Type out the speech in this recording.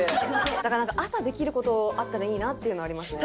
だから朝できる事あったらいいなっていうのはありますね。